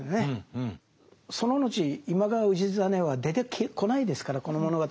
その後今川氏真は出てこないですからこの物語に。